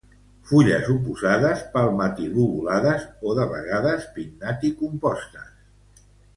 Fulles oposades palmatilobulades o de vegades pinnaticompostes.